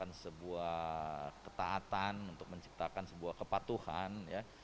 menciptakan sebuah ketaatan untuk menciptakan sebuah kepatuhan ya